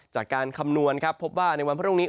คำนวณครับพบว่าในวันพรุ่งนี้